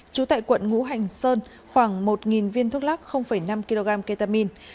trú tại quận ngũ hành sơn khoảng một viên thuốc lắc năm kg ketamine